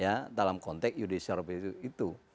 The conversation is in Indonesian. ya dalam konteks judicial review itu